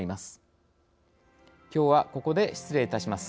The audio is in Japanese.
きょうはここで失礼いたします。